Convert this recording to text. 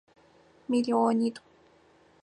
Миллионитӏу.